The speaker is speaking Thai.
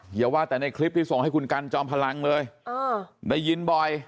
อย่าว่าแต่ในคลิปที่ส่งให้คุณกันจอมพลังเลยได้ยินบ่อย